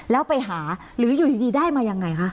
แล้วไปหาหรืออยู่ดีได้มายังไงคะ